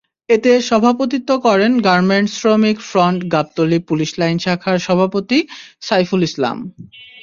এতে সভাপতিত্ব করেন গার্মেন্টস শ্রমিক ফ্রন্ট গাবতলী-পুলিশ লাইন শাখার সভাপতি সাইফুল ইসলাম।